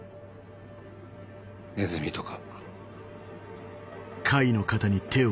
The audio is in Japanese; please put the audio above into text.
ネズミとか。